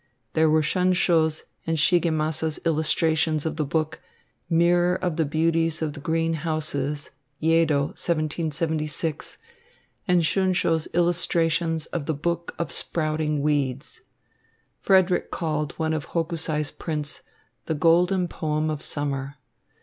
There were Shunsho's and Shigemasa's illustrations of the book, "Mirror of the Beauties of the Green Houses," Yedo, 1776, and Shunsho's illustrations of "The Book of Sprouting Weeds." Frederick called one of Hokusai's prints "the golden poem of summer."